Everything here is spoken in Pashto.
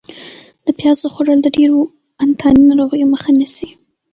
د پیازو خوړل د ډېرو انتاني ناروغیو مخه نیسي.